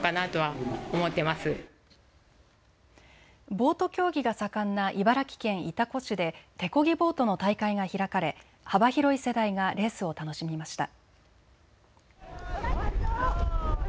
ボート競技が盛んな茨城県潮来市で手こぎボートの大会が開かれ幅広い世代がレースを楽しみました。